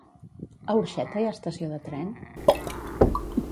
A Orxeta hi ha estació de tren?